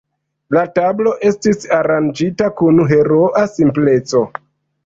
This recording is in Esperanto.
La tablo estis aranĝita kun heroa simpleco.